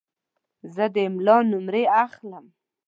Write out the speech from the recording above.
زه د املا نمرې اخلم.